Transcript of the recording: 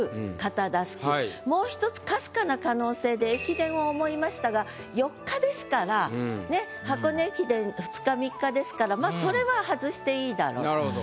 もう１つかすかな可能性で駅伝を思いましたが「四日」ですからねっ箱根駅伝２日３日ですからまぁそれは外していいだろうと。